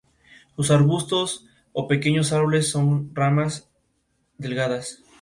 Son arbustos o pequeños árboles con ramas delgadas.